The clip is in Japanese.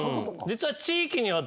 実は。